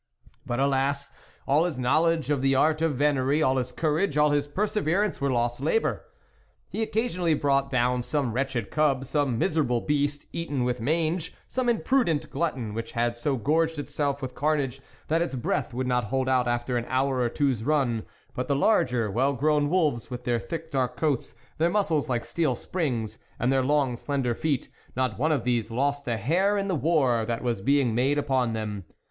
But alas ! all his knowledge of the art of Venery, all his courage, all his perseverance, were lost labour. He occa sionally brought down some wretched cub, some miserable beast eaten with mange, some imprudent glutton which had so gorged itself with carnage that its breath would not hold out after an hour or two's run ; but the larger, well grown wolves, with their thick dark coats, their muscles like steel springs and their long slender feet not one of these lost a hair in the war that was being made upon them.